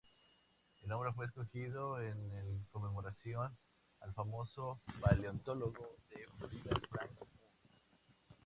El nombre fue escogido en conmemoración al famoso paleontólogo de Florida Frank Un.